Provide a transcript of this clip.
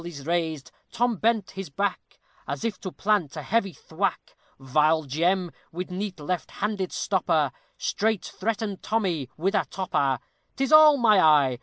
_ Vith mawleys raised, Tom bent his back, As if to plant a heavy thwack: Vile Jem, with neat left handed stopper, Straight threatened Tommy with a topper; 'Tis all my eye!